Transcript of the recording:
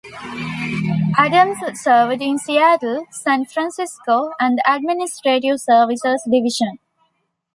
Adams served in Seattle, San Francisco, and the Administrative Services Division.